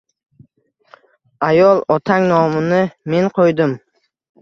Ayol otang nomini men qoʻydim.